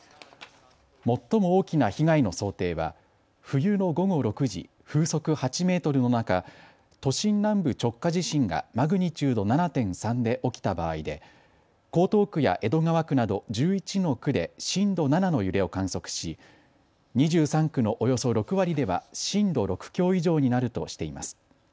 最も大きな被害の想定は冬の午後６時、風速８メートルの中、都心南部直下地震がマグニチュード７．３で起きた場合で江東区や江戸川区など１１の区で震度７の揺れを観測し２３区のおよそ６割では震度６強以上になるとしています。